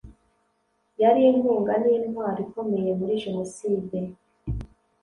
yari inkunga n’intwaro ikomeye muri jenoside.